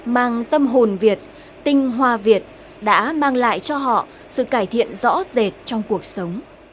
mang tâm hồn việt tinh hoa việt đã mang lại cho họ sự cải thiện rõ rệt trong cuộc sống